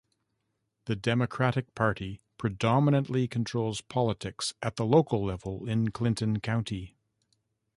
The Democratic Party predominantly controls politics at the local level in Clinton County.